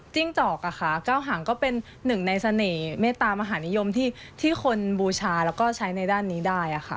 จอกเก้าหางก็เป็นหนึ่งในเสน่ห์เมตตามหานิยมที่คนบูชาแล้วก็ใช้ในด้านนี้ได้ค่ะ